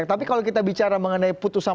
tapi kalau kita bicara mengenai putusan